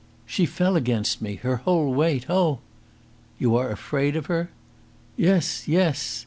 "She fell against me her whole weight. Oh!" "You are afraid of her!" "Yes, yes!"